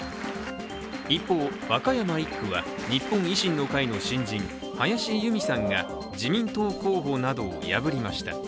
一方、和歌山１区は日本維新の会の新人、林佑美さんが自民党候補などを破りました。